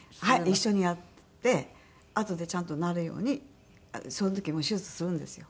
一緒にやってあとでちゃんとなるようにその時もう手術するんですよ。